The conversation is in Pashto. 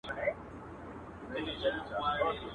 ابۍ اور نه لري تبۍ نه لري ..